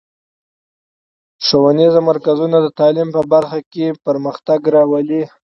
ښوونیز مرکزونه د تعلیم په برخه کې پرمختګ راولي.